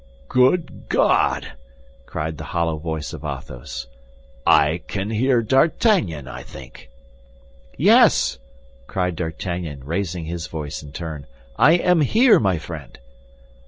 "Good God!" cried the hollow voice of Athos, "I can hear D'Artagnan, I think." "Yes," cried D'Artagnan, raising his voice in turn, "I am here, my friend."